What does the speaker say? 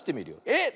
えっ！